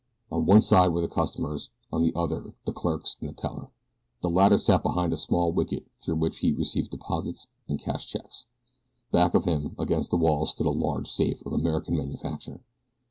On one side were the customers, on the other the clerks and a teller. The latter sat behind a small wicket through which he received deposits and cashed checks. Back of him, against the wall, stood a large safe of American manufacture.